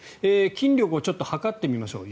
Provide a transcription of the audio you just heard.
筋力を測ってみましょう。